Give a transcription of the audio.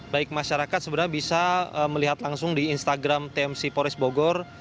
baik masyarakat sebenarnya bisa melihat langsung di instagram tmc pores bogor